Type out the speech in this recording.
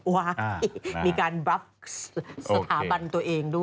อุ๊ยว้าวมีการบั๊บสถาบันตัวเองด้วย